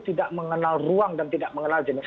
tidak mengenal ruang dan tidak mengenal jenis